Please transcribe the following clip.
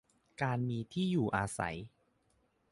การมีที่อยู่อาศัย